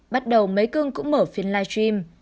bắt đầu mấy cưng cũng mở phiên live stream